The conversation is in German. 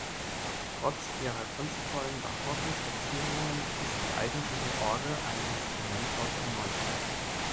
Trotz ihrer kunstvollen barocken Verzierungen ist die eigentliche Orgel ein Instrument aus der Neuzeit.